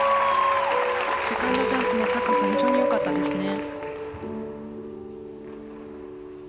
セカンドジャンプの高さ非常に良かったですね。